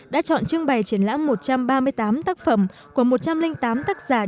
đã chọn trưng bày triển lãm một trăm ba mươi tám tác phẩm của một trăm linh tám tác giả